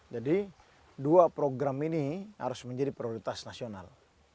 jadi dua program ini harus menjadi prioritas nasional